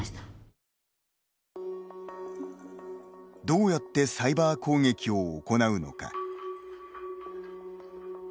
どうやってサイバー攻撃を行うのか。